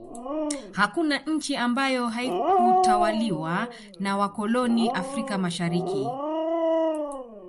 hakuna nchi ambayo haikutawaliwa na wakoloni afrika mashariki